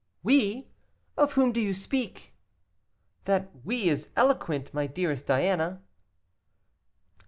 "'We!' of whom do you speak? That 'we' is eloquent, my dearest Diana."